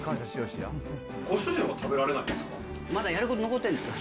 ご主人は食べられないんですか？